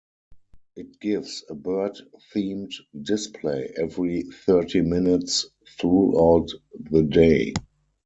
It gives a bird-themed display every thirty minutes throughout the day.